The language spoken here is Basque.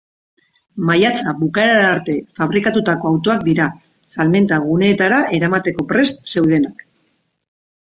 Maiatza bukaerara arte fabrikatutako autoak dira, salmenta-guneetara eramateko prest zeudenak.